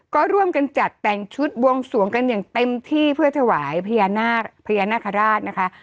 ก็ร่วมกันจัดแต่งชุดบวงสวงกันอย่างเต็มที่เพื่อถวายพญานาคพญานาคาราชนะคะ